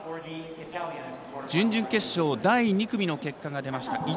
準々決勝第２組の結果が出ました。